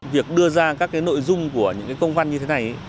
việc đưa ra các cái nội dung của những cái công văn như thế này